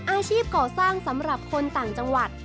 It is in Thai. อาชีพก่อสร้างสำหรับคนต่างจังหวัด